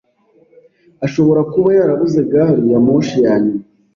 Ashobora kuba yarabuze gari ya moshi ya nyuma.